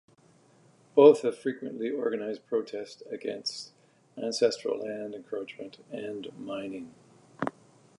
Both have frequently organized protests against ancestral land encroachment and mining.